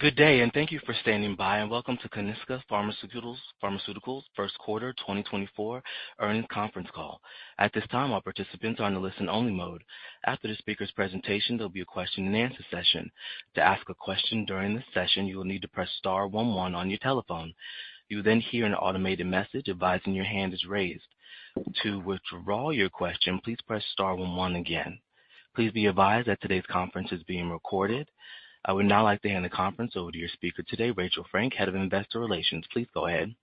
Good day and thank you for standing by, and welcome to Kiniksa Pharmaceuticals first quarter 2024 earnings conference call. At this time, our participants are in the listen-only mode. After the speaker's presentation, there'll be a question-and-answer session. To ask a question during this session, you will need to press star one one on your telephone. You will then hear an automated message advising your hand is raised. To withdraw your question, please press star one one again. Please be advised that today's conference is being recorded. I would now like to hand the conference over to your speaker today, Rachel Frank, Head of Investor Relations. Please go ahead.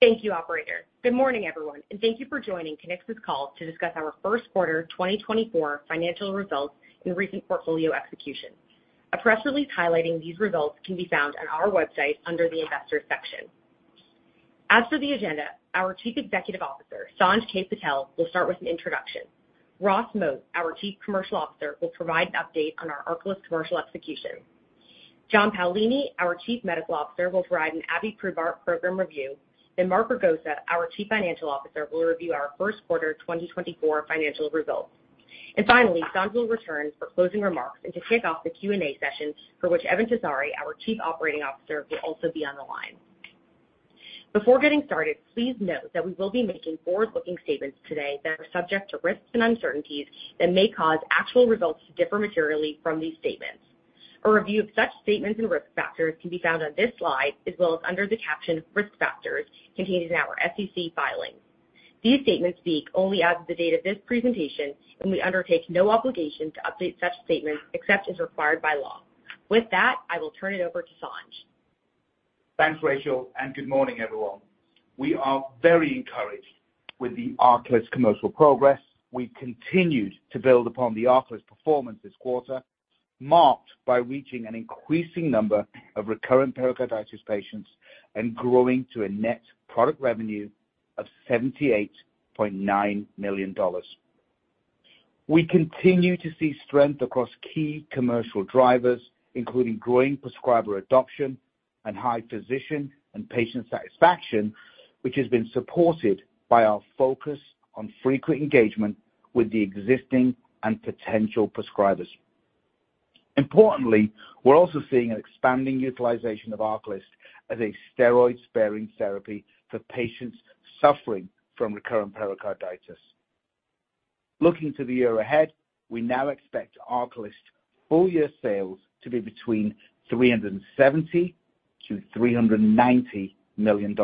Thank you, operator. Good morning, everyone, and thank you for joining Kiniksa's call to discuss our first quarter 2024 financial results and recent portfolio execution. A press release highlighting these results can be found on our website under the Investors section. As for the agenda, our Chief Executive Officer, Sanj Patel, will start with an introduction. Ross Moat, our Chief Commercial Officer, will provide an update on our ARCALYST commercial execution. John Paolini, our Chief Medical Officer, will provide an abiprubart program review. Then Mark Ragosa, our Chief Financial Officer, will review our first quarter 2024 financial results. And finally, Sanj will return for closing remarks and to kick off the Q&A session, for which Eben Tessari, our Chief Operating Officer, will also be on the line. Before getting started, please note that we will be making forward-looking statements today that are subject to risks and uncertainties that may cause actual results to differ materially from these statements. A review of such statements and risk factors can be found on this slide as well as under the caption "Risk Factors," contained in our SEC filing. These statements speak only as of the date of this presentation, and we undertake no obligation to update such statements except as required by law. With that, I will turn it over to Sanj. Thanks, Rachel, and good morning, everyone. We are very encouraged with the ARCALYST commercial progress. We've continued to build upon the ARCALYST performance this quarter, marked by reaching an increasing number of recurrent pericarditis patients and growing to a net product revenue of $78.9 million. We continue to see strength across key commercial drivers, including growing prescriber adoption and high physician and patient satisfaction, which has been supported by our focus on frequent engagement with the existing and potential prescribers. Importantly, we're also seeing an expanding utilization of ARCALYST as a steroid-sparing therapy for patients suffering from recurrent pericarditis. Looking to the year ahead, we now expect ARCALYST full-year sales to be between $370-$390 million,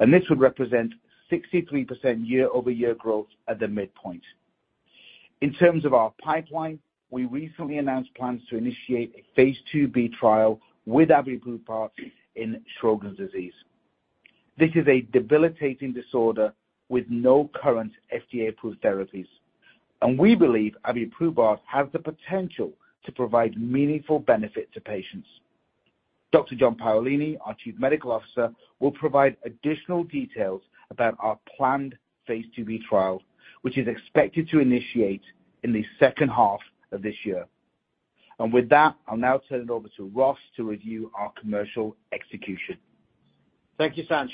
and this would represent 63% year-over-year growth at the midpoint. In terms of our pipeline, we recently announced plans to Phase 2b trial with abiprubart in Sjögren's disease. This is a debilitating disorder with no current FDA-approved therapies, and we believe abiprubart has the potential to provide meaningful benefit to patients. Dr. John Paolini, our Chief Medical Officer, will provide additional details about Phase 2b trial, which is expected to initiate in the second half of this year. With that, I'll now turn it over to Ross to review our commercial execution. Thank you, Sanj.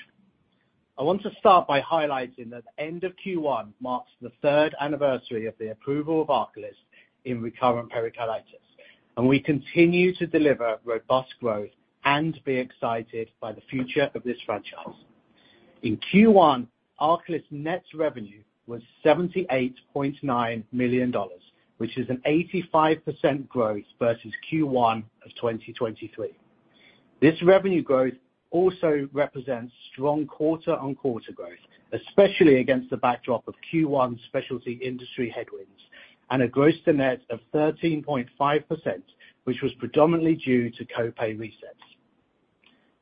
I want to start by highlighting that the end of Q1 marks the third anniversary of the approval of ARCALYST in recurrent pericarditis, and we continue to deliver robust growth and be excited by the future of this franchise. In Q1, ARCALYST's net revenue was $78.9 million, which is an 85% growth versus Q1 of 2023. This revenue growth also represents strong quarter-on-quarter growth, especially against the backdrop of Q1 specialty industry headwinds and a gross-to-net of 13.5%, which was predominantly due to copay resets.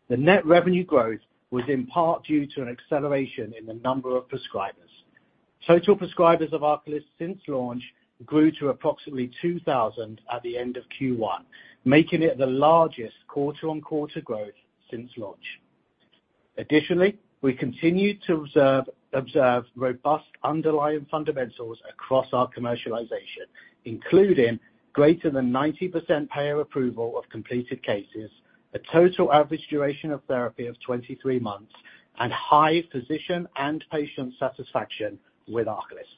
The net revenue growth was in part due to an acceleration in the number of prescribers. Total prescribers of ARCALYST since launch grew to approximately 2,000 at the end of Q1, making it the largest quarter-on-quarter growth since launch. Additionally, we continue to observe robust underlying fundamentals across our commercialization, including greater than 90% payer approval of completed cases, a total average duration of therapy of 23 months, and high physician and patient satisfaction with ARCALYST.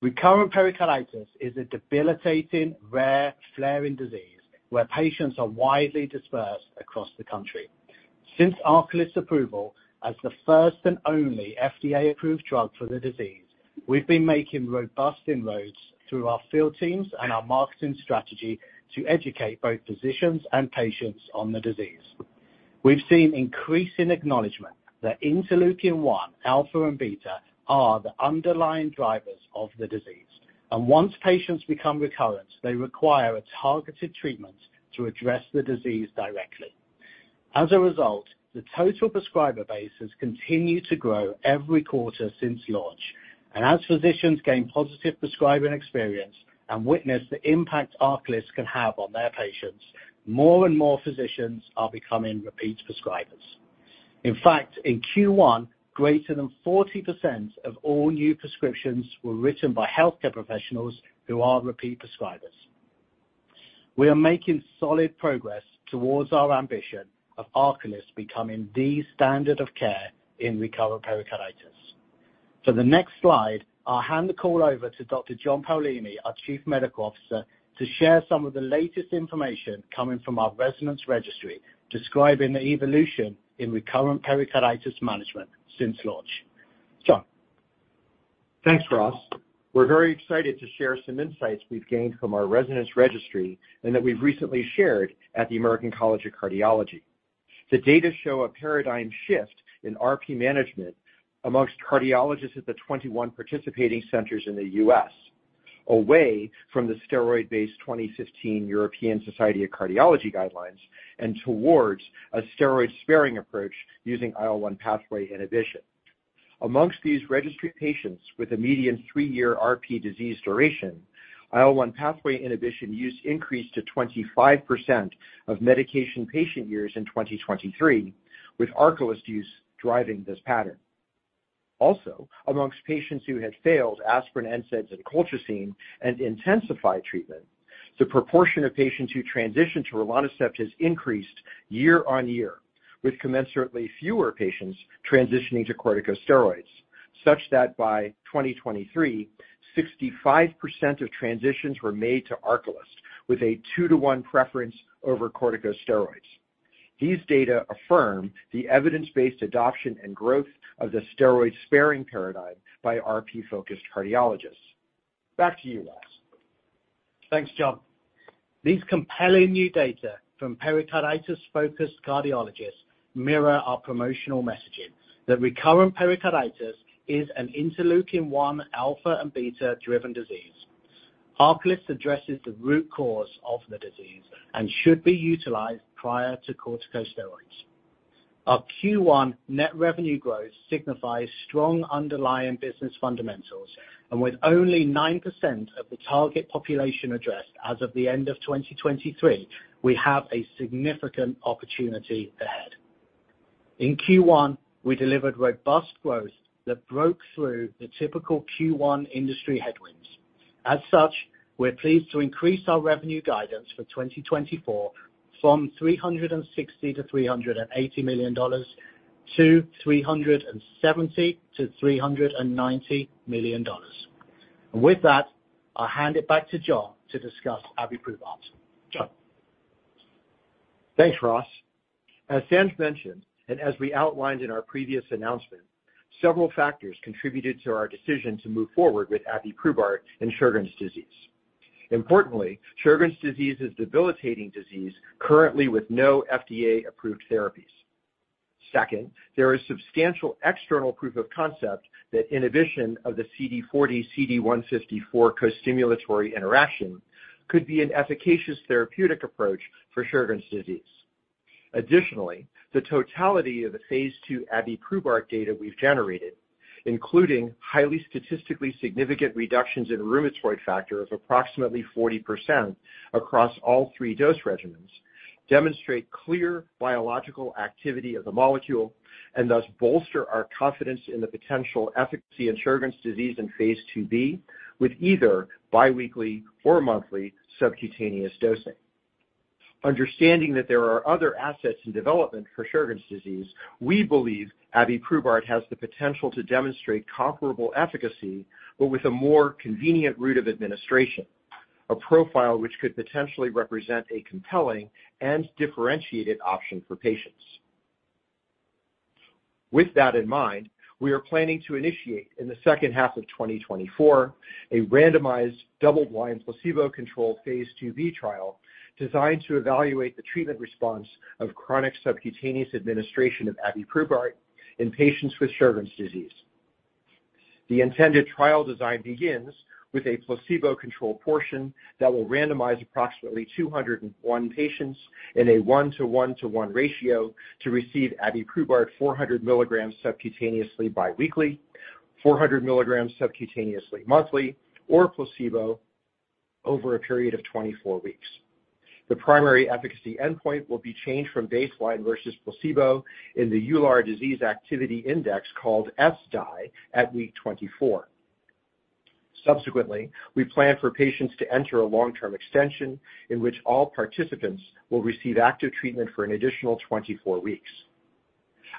Recurrent pericarditis is a debilitating, rare, flaring disease where patients are widely dispersed across the country. Since ARCALYST's approval as the first and only FDA-approved drug for the disease, we've been making robust inroads through our field teams and our marketing strategy to educate both physicians and patients on the disease. We've seen increasing acknowledgment that Interleukin-1 alpha and beta are the underlying drivers of the disease, and once patients become recurrent, they require a targeted treatment to address the disease directly. As a result, the total prescriber base has continued to grow every quarter since launch, and as physicians gain positive prescribing experience and witness the impact ARCALYST can have on their patients, more and more physicians are becoming repeat prescribers. In fact, in Q1, greater than 40% of all new prescriptions were written by healthcare professionals who are repeat prescribers. We are making solid progress towards our ambition of ARCALYST becoming the standard of care in recurrent pericarditis. For the next slide, I'll hand the call over to Dr. John Paolini, our Chief Medical Officer, to share some of the latest information coming from our RESONANCE Registry describing the evolution in recurrent pericarditis management since launch. John. Thanks, Ross. We're very excited to share some insights we've gained from our RESONANCE Registry and that we've recently shared at the American College of Cardiology. The data show a paradigm shift in RP management among cardiologists at the 21 participating centers in the U.S., away from the steroid-based 2015 European Society of Cardiology guidelines and towards a steroid-sparing approach using IL-1 pathway inhibition. Among these registry patients with a median three-year RP disease duration, IL-1 pathway inhibition use increased to 25% of medication patient years in 2023, with ARCALYST use driving this pattern. Also, among patients who had failed aspirin, NSAIDs, and colchicine and intensified treatment, the proportion of patients who transitioned to rilonacept has increased year-over-year, with commensurately fewer patients transitioning to corticosteroids, such that by 2023, 65% of transitions were made to ARCALYST with a 2:1 preference over corticosteroids. These data affirm the evidence-based adoption and growth of the steroid-sparing paradigm by RP-focused cardiologists. Back to you, Ross. Thanks, John. These compelling new data from pericarditis-focused cardiologists mirror our promotional messaging that recurrent pericarditis is an interleukin-1 alpha and beta-driven disease. ARCALYST addresses the root cause of the disease and should be utilized prior to corticosteroids. Our Q1 net revenue growth signifies strong underlying business fundamentals, and with only 9% of the target population addressed as of the end of 2023, we have a significant opportunity ahead. In Q1, we delivered robust growth that broke through the typical Q1 industry headwinds. As such, we're pleased to increase our revenue guidance for 2024 from $360-$380 million to $370-$390 million. And with that, I'll hand it back to John to discuss abiprubart. John. Thanks, Ross. As Sanj mentioned and as we outlined in our previous announcement, several factors contributed to our decision to move forward with abiprubart in Sjögren's disease. Importantly, Sjögren's disease is a debilitating disease currently with no FDA-approved therapies. Second, there is substantial external proof of concept that inhibition of the CD40/CD154 co-stimulatory interaction could be an efficacious therapeutic approach for Sjögren's disease. Additionally, the totality of the Phase 2 abiprubart data we've generated, including highly statistically significant reductions in rheumatoid factor of approximately 40% across all three dose regimens, demonstrate clear biological activity of the molecule and thus bolster our confidence in the potential efficacy in Sjögren's Phase 2b with either biweekly or monthly subcutaneous dosing. Understanding that there are other assets in development for Sjögren's disease, we believe abiprubart has the potential to demonstrate comparable efficacy but with a more convenient route of administration, a profile which could potentially represent a compelling and differentiated option for patients. With that in mind, we are planning to initiate, in the second half of 2024, a randomized Phase 2b trial designed to evaluate the treatment response of chronic subcutaneous administration of abiprubart in patients with Sjögren's disease. The intended trial design begins with a placebo-controlled portion that will randomize approximately 201 patients in a 1:1:1 ratio to receive abiprubart 400 milligrams subcutaneously biweekly, 400 milligrams subcutaneously monthly, or placebo over a period of 24 weeks. The primary efficacy endpoint will be change from baseline versus placebo in the ESSDAI at week 24. Subsequently, we plan for patients to enter a long-term extension in which all participants will receive active treatment for an additional 24 weeks.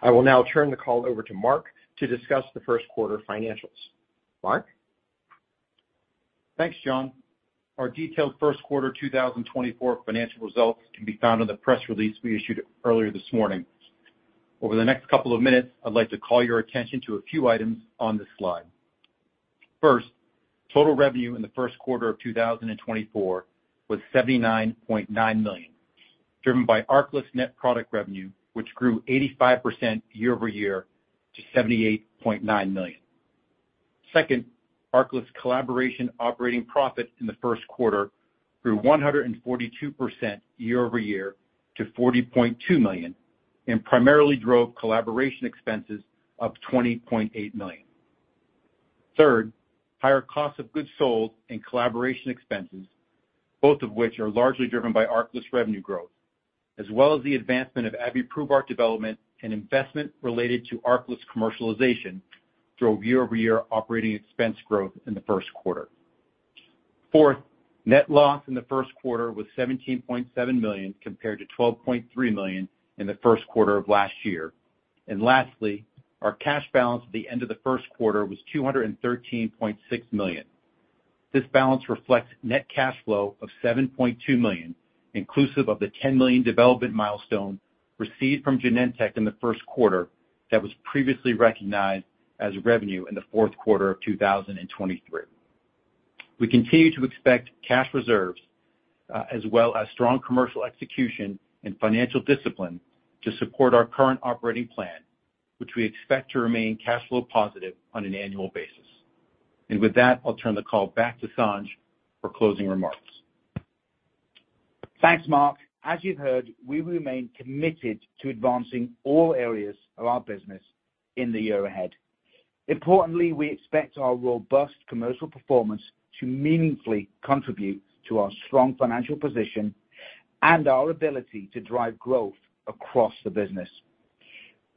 I will now turn the call over to Mark to discuss the first quarter financials. Mark. Thanks, John. Our detailed first quarter 2024 financial results can be found in the press release we issued earlier this morning. Over the next couple of minutes, I'd like to call your attention to a few items on this slide. First, total revenue in the first quarter of 2024 was $79.9 million, driven by ARCALYST net product revenue, which grew 85% year-over-year to $78.9 million. Second, ARCALYST collaboration operating profit in the first quarter grew 142% year-over-year to $40.2 million and primarily drove collaboration expenses of $20.8 million. Third, higher cost of goods sold and collaboration expenses, both of which are largely driven by ARCALYST revenue growth, as well as the advancement of abiprubart development and investment related to ARCALYST commercialization, drove year-over-year operating expense growth in the first quarter. Fourth, net loss in the first quarter was $17.7 million compared to $12.3 million in the first quarter of last year. And lastly, our cash balance at the end of the first quarter was $213.6 million. This balance reflects net cash flow of $7.2 million, inclusive of the $10 million development milestone received from Genentech in the first quarter that was previously recognized as revenue in the fourth quarter of 2023. We continue to expect cash reserves as well as strong commercial execution and financial discipline to support our current operating plan, which we expect to remain cash flow positive on an annual basis. With that, I'll turn the call back to Sanj for closing remarks. Thanks, Mark. As you've heard, we remain committed to advancing all areas of our business in the year ahead. Importantly, we expect our robust commercial performance to meaningfully contribute to our strong financial position and our ability to drive growth across the business.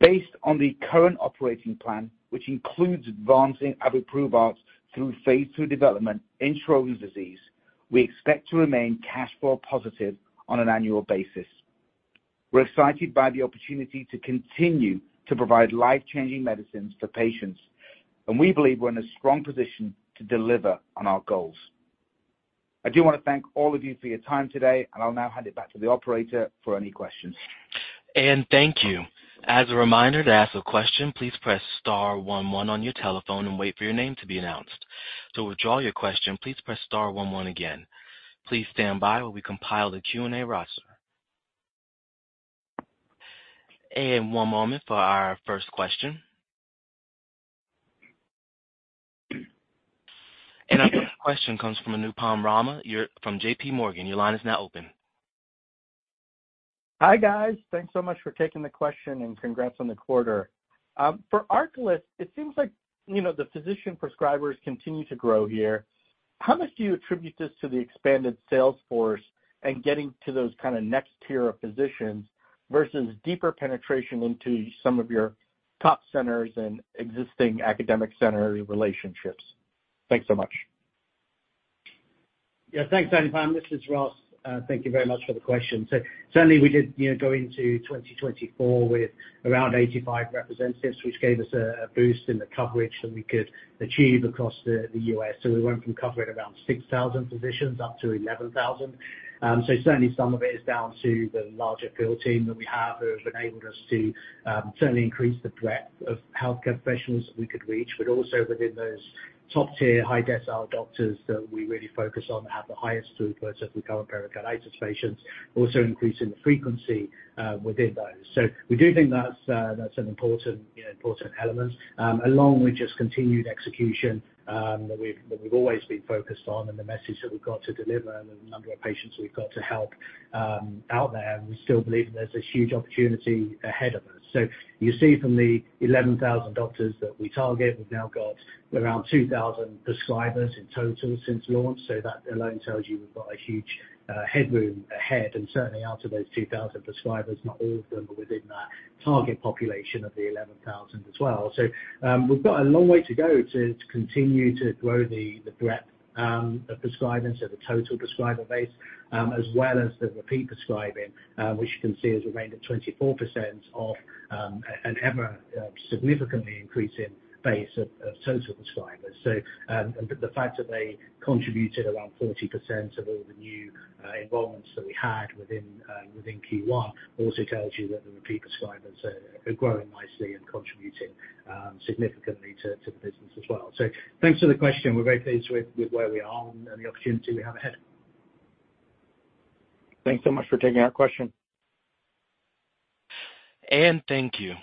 Based on the current operating plan, which includes advancing abiprubart through Phase 2 development in Sjögren's disease, we expect to remain cash flow positive on an annual basis. We're excited by the opportunity to continue to provide life-changing medicines for patients, and we believe we're in a strong position to deliver on our goals. I do want to thank all of you for your time today, and I'll now hand it back to the operator for any questions. And thank you. As a reminder, to ask a question, please press star one one on your telephone and wait for your name to be announced. To withdraw your question, please press star one one again. Please stand by while we compile the Q&A roster. And one moment for our first question. And our first question comes from Anupam Rama from J.P. Morgan. Your line is now open. Hi, guys. Thanks so much for taking the question, and congrats on the quarter. For ARCALYST, it seems like the physician prescribers continue to grow here. How much do you attribute this to the expanded sales force and getting to those kind of next-tier of physicians versus deeper penetration into some of your top centers and existing academic center relationships? Thanks so much. Yeah, thanks, Anupam Rama. This is Ross. Thank you very much for the question. So certainly, we did go into 2024 with around 85 representatives, which gave us a boost in the coverage that we could achieve across the U.S. So we went from covering around 6,000 physicians up to 11,000. So certainly, some of it is down to the larger field team that we have who have enabled us to certainly increase the breadth of healthcare professionals that we could reach, but also within those top-tier, high-decile doctors that we really focus on that have the highest throughput of recurrent pericarditis patients, also increasing the frequency within those. So we do think that's an important element along with just continued execution that we've always been focused on and the message that we've got to deliver and the number of patients we've got to help out there. We still believe there's a huge opportunity ahead of us. You see from the 11,000 doctors that we target, we've now got around 2,000 prescribers in total since launch. That alone tells you we've got a huge headroom ahead. And certainly, out of those 2,000 prescribers, not all of them are within that target population of the 11,000 as well. We've got a long way to go to continue to grow the breadth of prescribing, so the total prescriber base, as well as the repeat prescribing, which you can see has remained at 24% of an ever-significantly increasing base of total prescribers. The fact that they contributed around 40% of all the new enrollments that we had within Q1 also tells you that the repeat prescribers are growing nicely and contributing significantly to the business as well. Thanks for the question. We're very pleased with where we are and the opportunity we have ahead. Thanks so much for taking our question. Thank you.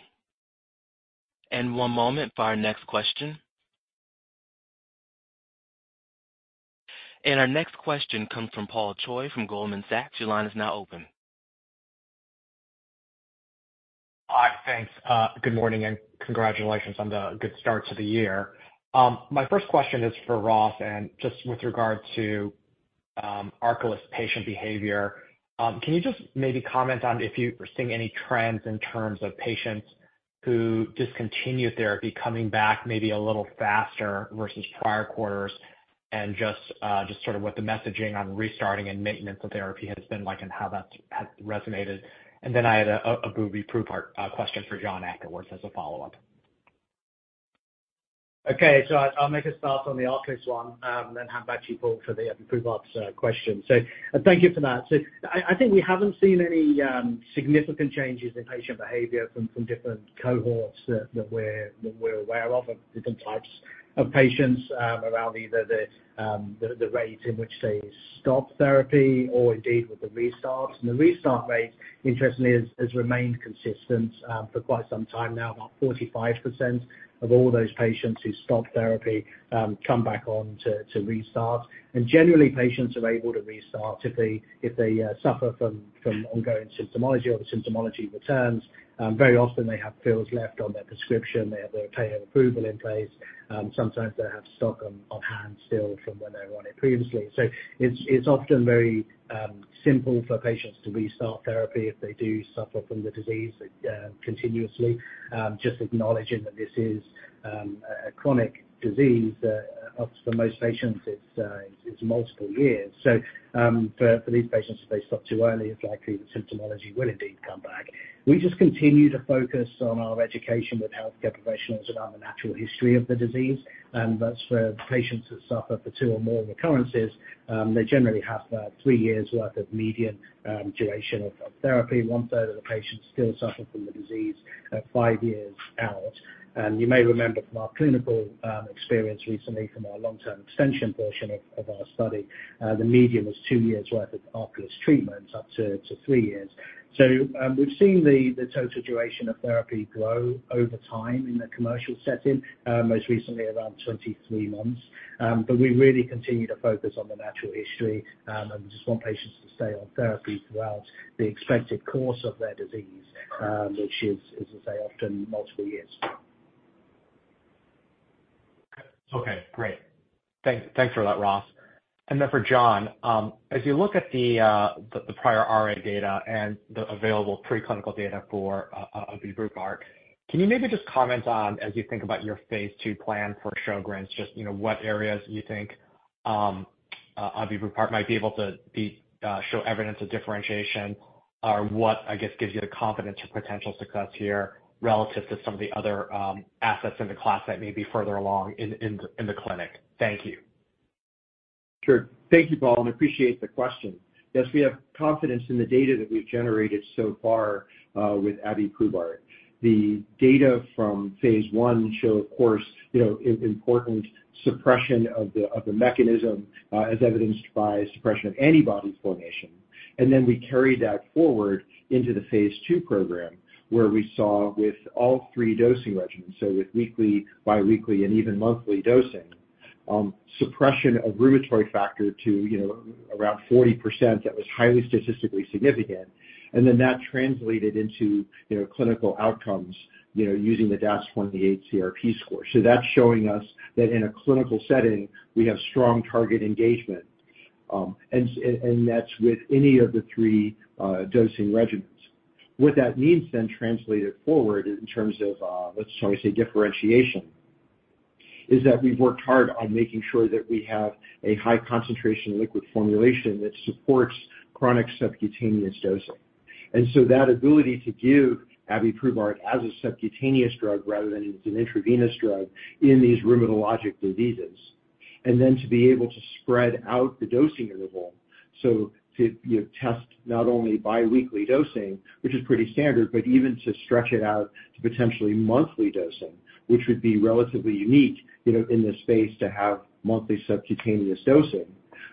One moment for our next question. Our next question comes from Paul Choi from Goldman Sachs. Your line is now open. Hi, thanks. Good morning and congratulations on the good start to the year. My first question is for Ross, and just with regard to ARCALYST patient behavior, can you just maybe comment on if you're seeing any trends in terms of patients who discontinued therapy, coming back maybe a little faster versus prior quarters, and just sort of what the messaging on restarting and maintenance of therapy has been like and how that's resonated? And then I had an abiprubart question for John afterwards as a follow-up. Okay, so I'll make a start on the ARCALYST one and then hand back to you Paul for the abiprubart question. So thank you for that. So I think we haven't seen any significant changes in patient behavior from different cohorts that we're aware of, different types of patients around either the rate in which they stop therapy or indeed with the restarts. And the restart rate, interestingly, has remained consistent for quite some time now, about 45% of all those patients who stop therapy come back on to restart. And generally, patients are able to restart if they suffer from ongoing symptomatology or the symptomatology returns. Very often, they have fills left on their prescription. They have their payer approval in place. Sometimes they have stock on hand still from when they were on it previously. So it's often very simple for patients to restart therapy if they do suffer from the disease continuously, just acknowledging that this is a chronic disease that for most patients, it's multiple years. So for these patients, if they stop too early, it's likely that symptomatology will indeed come back. We just continue to focus on our education with healthcare professionals around the natural history of the disease. And that's for patients that suffer for two or more recurrences. They generally have about three years' worth of median duration of therapy. One-third of the patients still suffer from the disease at five years out. And you may remember from our clinical experience recently from our long-term extension portion of our study, the median was two years' worth of ARCALYST treatments, up to three years. So we've seen the total duration of therapy grow over time in the commercial setting, most recently around 23 months. But we really continue to focus on the natural history, and we just want patients to stay on therapy throughout the expected course of their disease, which is, as I say, often multiple years. Okay, great. Thanks for that, Ross. And then for John, as you look at the prior RA data and the available preclinical data for abiprubart, can you maybe just comment on, as you think about your Phase 2 plan for Sjögren's, just what areas you think abiprubart might be able to show evidence of differentiation or what, I guess, gives you the confidence or potential success here relative to some of the other assets in the class that may be further along in the clinic? Thank you. Sure. Thank you, Paul, and appreciate the question. Yes, we have confidence in the data that we've generated so far with abiprubart. The data from Phase 1 show, of course, important suppression of the mechanism, as evidenced by suppression of antibody formation. And then we carried that forward into the Phase 2 program where we saw, with all three dosing regimens, so with weekly, biweekly, and even monthly dosing, suppression of rheumatoid factor to around 40% that was highly statistically significant. And then that translated into clinical outcomes using the DAS28-CRP score. So that's showing us that in a clinical setting, we have strong target engagement. And that's with any of the three dosing regimens. What that means then translated forward in terms of, let's always say, differentiation, is that we've worked hard on making sure that we have a high-concentration liquid formulation that supports chronic subcutaneous dosing. That ability to give abiprubart as a subcutaneous drug rather than as an intravenous drug in these rheumatologic diseases, and then to be able to spread out the dosing interval so to test not only biweekly dosing, which is pretty standard, but even to stretch it out to potentially monthly dosing, which would be relatively unique in this space to have monthly subcutaneous dosing,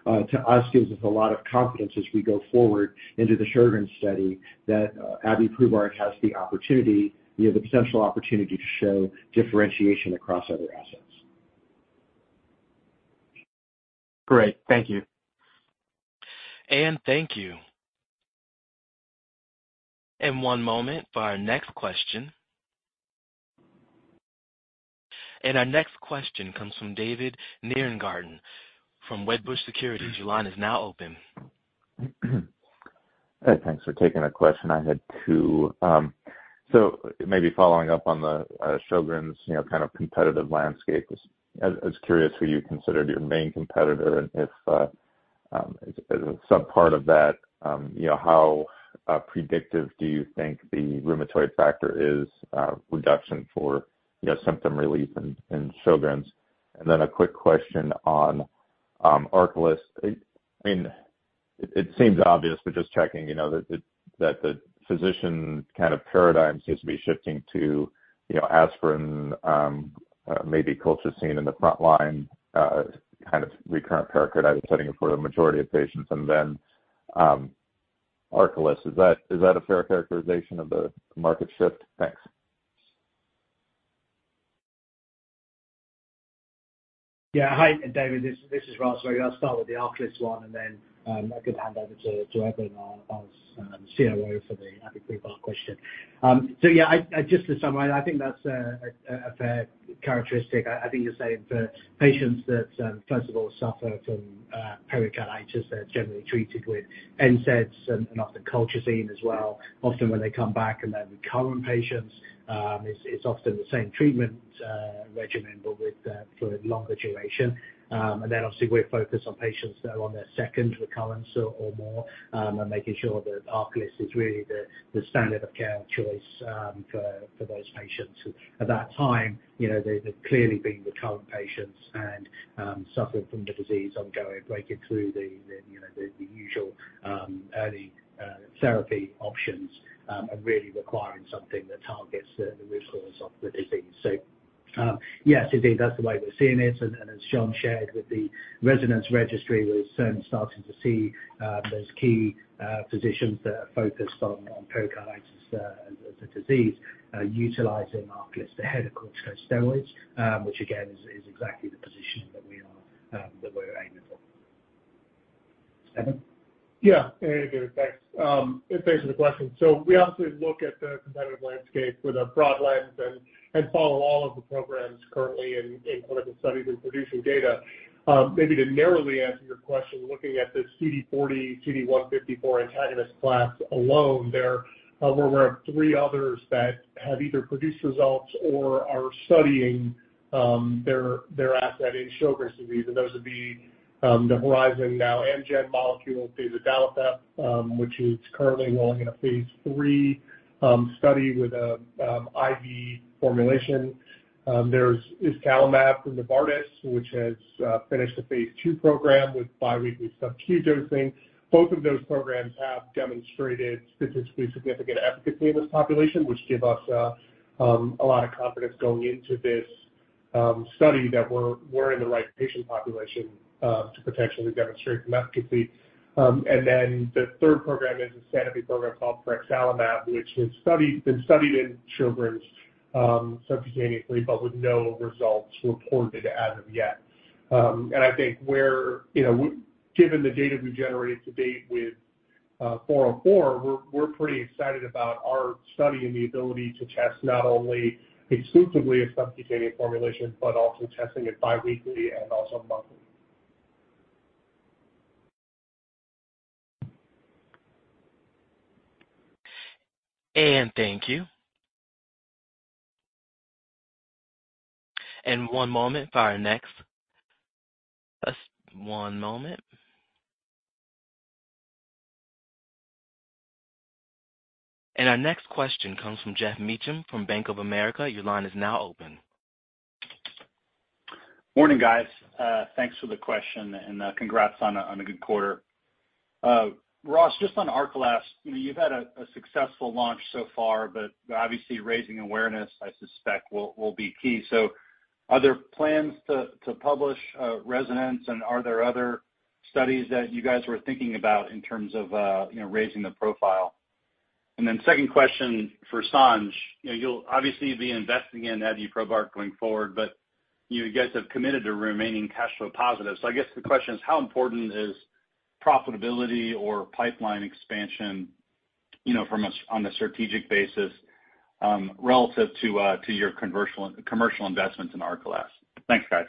to us gives us a lot of confidence as we go forward into the Sjögren's study that abiprubart has the potential opportunity to show differentiation across other assets. Great. Thank you. Thank you. One moment for our next question. Our next question comes from David Nierengarten from Wedbush Securities. Your line is now open. Hey, thanks for taking that question. I had two. So maybe following up on the Sjögren's kind of competitive landscape, I was curious who you considered your main competitor and if, as a subpart of that, how predictive do you think the rheumatoid factor is reduction for symptom relief in Sjögren's? And then a quick question on ARCALYST. I mean, it seems obvious, but just checking, that the physician kind of paradigm seems to be shifting to aspirin, maybe colchicine in the frontline kind of recurrent pericarditis setting for the majority of patients. And then ARCALYST, is that a fair characterization of the market shift? Thanks. Yeah. Hi, David. This is Ross. Maybe I'll start with the ARCALYST one, and then I could hand over to Eben as COO for the abiprubart question. So yeah, just to summarize, I think that's a fair characteristic. I think you're saying for patients that, first of all, suffer from pericarditis, they're generally treated with NSAIDs and often colchicine as well. Often, when they come back and they're recurrent patients, it's often the same treatment regimen, but for a longer duration. And then, obviously, we're focused on patients that are on their second recurrence or more and making sure that ARCALYST is really the standard of care choice for those patients. At that time, they've clearly been recurrent patients and suffered from the disease ongoing, breaking through the usual early therapy options and really requiring something that targets the root cause of the disease. So yes, indeed, that's the way we're seeing it. And as John shared with the RESONANCE Registry, we're certainly starting to see those key physicians that are focused on pericarditis as a disease utilizing ARCALYST ahead of corticosteroids, which, again, is exactly the positioning that we're aiming for. Eben? Yeah, hey, David. Thanks. Thanks for the question. So we obviously look at the competitive landscape with a broad lens and follow all of the programs currently in clinical studies and producing data. Maybe to narrowly answer your question, looking at the CD40, CD154 antagonist class alone, there were three others that have either produced results or are studying their asset in Sjögren's disease. And those would be the Horizon now Amgen molecule, dazodalibep, which is currently enrolling in a Phase 3 study with an IV formulation. There is iscalimab from Novartis, which has finished the Phase 2 program with biweekly sub-Q dosing. Both of those programs have demonstrated statistically significant efficacy in this population, which gives us a lot of confidence going into this study that we're in the right patient population to potentially demonstrate some efficacy. Then the third program is a Sanofi program called frexalimab, which has been studied in Sjögren's subcutaneously but with no results reported as of yet. And I think, given the data we've generated to date with CD40, we're pretty excited about our study and the ability to test not only exclusively a subcutaneous formulation but also testing it biweekly and also monthly. Thank you. One moment for our next. Our next question comes from Geoff Meacham from Bank of America. Your line is now open. Morning, guys. Thanks for the question, and congrats on a good quarter. Ross, just on ARCALYST, you've had a successful launch so far, but obviously, raising awareness, I suspect, will be key. So are there plans to publish RESONANCE, and are there other studies that you guys were thinking about in terms of raising the profile? And then second question for Sanj, you'll obviously be investing in abiprubart going forward, but you guys have committed to remaining cash flow positive. So I guess the question is, how important is profitability or pipeline expansion on a strategic basis relative to your commercial investments in ARCALYST? Thanks, guys.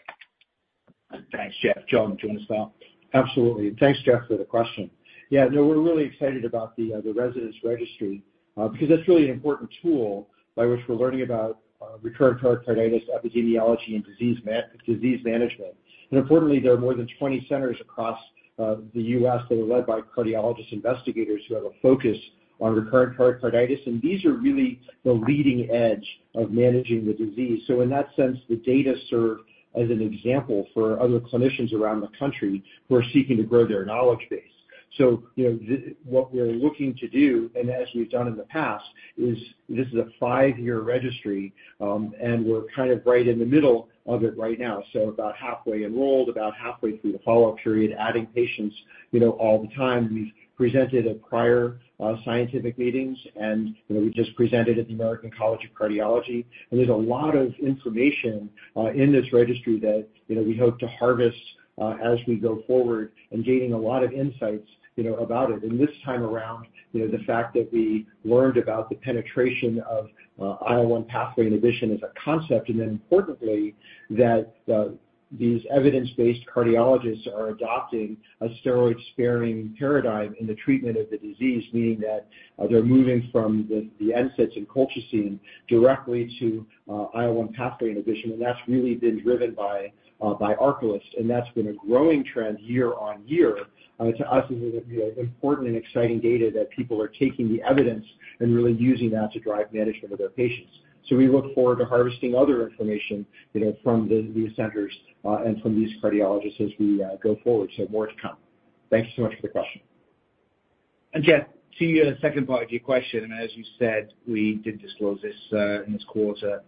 Thanks, Geoff. John, do you want to start? Absolutely. Thanks, Geoff, for the question. Yeah, no, we're really excited about the RESONANCE Registry because that's really an important tool by which we're learning about recurrent pericarditis, epidemiology, and disease management. Importantly, there are more than 20 centers across the U.S. that are led by cardiologist investigators who have a focus on recurrent pericarditis. These are really the leading edge of managing the disease. In that sense, the data serve as an example for other clinicians around the country who are seeking to grow their knowledge base. What we're looking to do, and as we've done in the past, is this is a 5-year registry, and we're kind of right in the middle of it right now, so about halfway enrolled, about halfway through the follow-up period, adding patients all the time. We've presented at prior scientific meetings, and we just presented at the American College of Cardiology. There's a lot of information in this registry that we hope to harvest as we go forward and gaining a lot of insights about it. This time around, the fact that we learned about the penetration of IL-1 pathway inhibition as a concept, and then importantly, that these evidence-based cardiologists are adopting a steroid-sparing paradigm in the treatment of the disease, meaning that they're moving from the NSAIDs and colchicine directly to IL-1 pathway inhibition. That's really been driven by ARCALYST, and that's been a growing trend year on year. To us, it's important and exciting data that people are taking the evidence and really using that to drive management of their patients. So we look forward to harvesting other information from these centers and from these cardiologists as we go forward. So more to come. Thank you so much for the question. And Geoff, to your second part of your question, I mean, as you said, we did disclose this in this quarter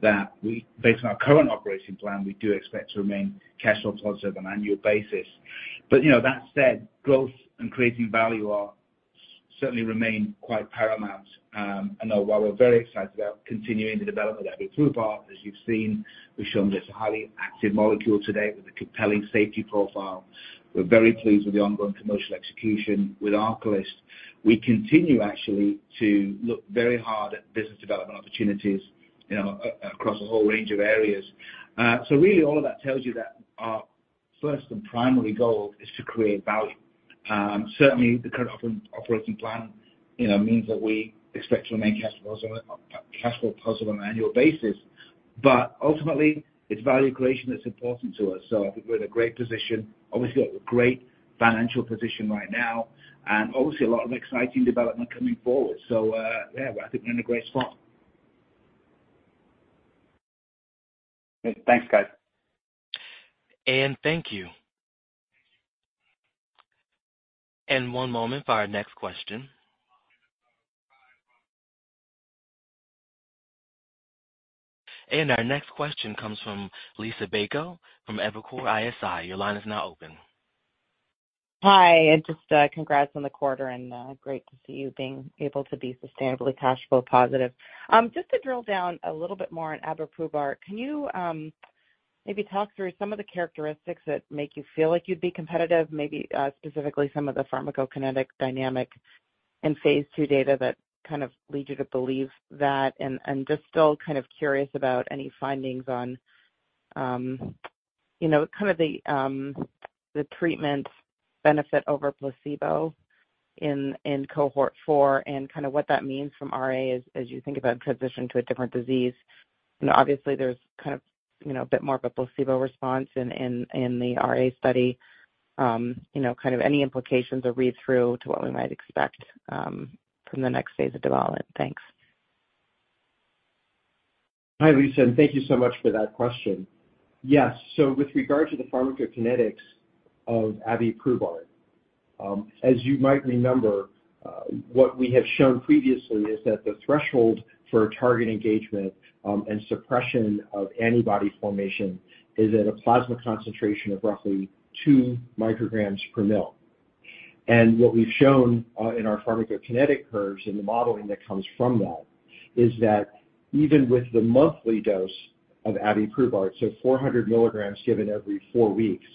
that, based on our current operating plan, we do expect to remain cash flow positive on an annual basis. But that said, growth and creating value certainly remain quite paramount. And while we're very excited about continuing the development of abiprubart, as you've seen, we've shown that it's a highly active molecule today with a compelling safety profile. We're very pleased with the ongoing commercial execution with ARCALYST. We continue, actually, to look very hard at business development opportunities across a whole range of areas. So really, all of that tells you that our first and primary goal is to create value. Certainly, the current operating plan means that we expect to remain cash flow positive on an annual basis. But ultimately, it's value creation that's important to us. So I think we're in a great position. Obviously, we're in a great financial position right now and obviously a lot of exciting development coming forward. So yeah, I think we're in a great spot. Great. Thanks, guys. Thank you. One moment for our next question. Our next question comes from Liisa Bayko from Evercore ISI. Your line is now open. Hi. And just congrats on the quarter, and great to see you being able to be sustainably cash flow positive. Just to drill down a little bit more on abiprubart, can you maybe talk through some of the characteristics that make you feel like you'd be competitive, maybe specifically some of the pharmacokinetic dynamic in Phase 2 data that kind of lead you to believe that? And just still kind of curious about any findings on kind of the treatment benefit over placebo in cohort 4 and kind of what that means from RA as you think about transitioning to a different disease. Obviously, there's kind of a bit more of a placebo response in the RA study. Kind of any implications or read-through to what we might expect from the next phase of development? Thanks. Hi, Lisa. Thank you so much for that question. Yes. With regard to the pharmacokinetics of abiprubart, as you might remember, what we have shown previously is that the threshold for target engagement and suppression of antibody formation is at a plasma concentration of roughly two micrograms per mL. What we've shown in our pharmacokinetic curves and the modeling that comes from that is that even with the monthly dose of abiprubart, so 400 milligrams given every four weeks,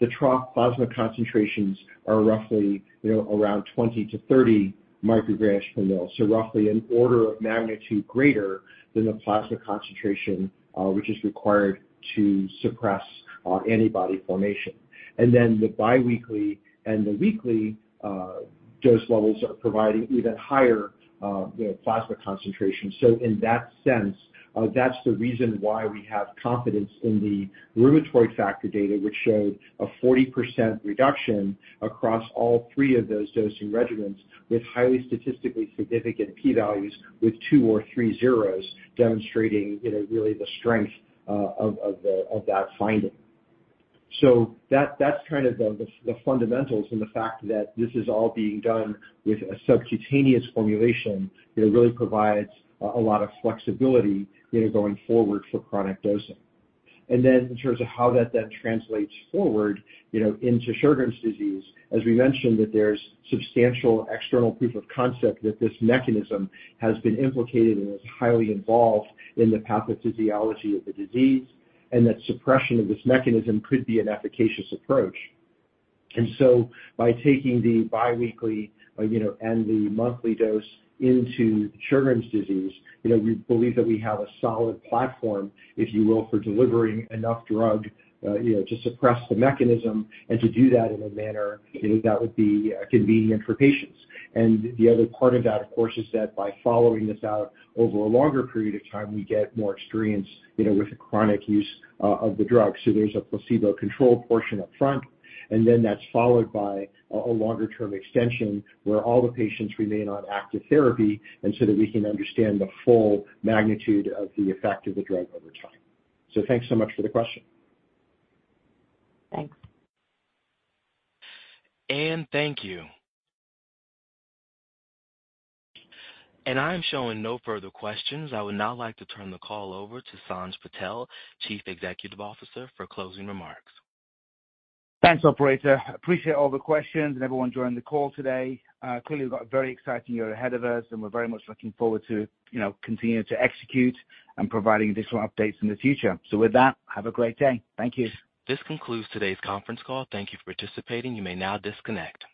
the trough plasma concentrations are roughly around 20-30 micrograms per mL, so roughly an order of magnitude greater than the plasma concentration which is required to suppress antibody formation. The biweekly and the weekly dose levels are providing even higher plasma concentrations. So in that sense, that's the reason why we have confidence in the rheumatoid factor data, which showed a 40% reduction across all three of those dosing regimens with highly statistically significant p-values with two or three zeros demonstrating really the strength of that finding. So that's kind of the fundamentals and the fact that this is all being done with a subcutaneous formulation really provides a lot of flexibility going forward for chronic dosing. And then in terms of how that then translates forward into Sjögren's disease, as we mentioned, that there's substantial external proof of concept that this mechanism has been implicated and is highly involved in the pathophysiology of the disease and that suppression of this mechanism could be an efficacious approach. By taking the biweekly and the monthly dose into Sjögren's disease, we believe that we have a solid platform, if you will, for delivering enough drug to suppress the mechanism and to do that in a manner that would be convenient for patients. The other part of that, of course, is that by following this out over a longer period of time, we get more experience with chronic use of the drug. There's a placebo-controlled portion up front, and then that's followed by a longer-term extension where all the patients remain on active therapy and so that we can understand the full magnitude of the effect of the drug over time. Thanks so much for the question. Thanks. Thank you. I am showing no further questions. I would now like to turn the call over to Sanj Patel, Chief Executive Officer, for closing remarks. Thanks, operator. Appreciate all the questions and everyone joining the call today. Clearly, we've got a very exciting year ahead of us, and we're very much looking forward to continuing to execute and providing additional updates in the future. So with that, have a great day. Thank you. This concludes today's conference call. Thank you for participating. You may now disconnect.